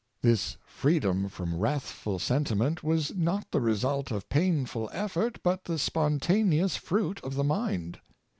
This freedom from wrath ful sentiment was not the result of painful effort, but the spontaneous fruit of the mind.